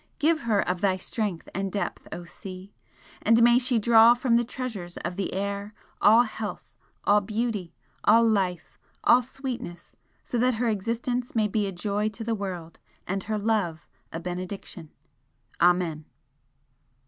give her of thy strength and depth, O Sea! and may she draw from the treasures of the air all health, all beauty, all life, all sweetness, so that her existence may be a joy to the world, and her love a benediction! Amen!"